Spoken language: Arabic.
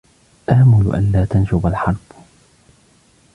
آمل ألا تنشب الحرب.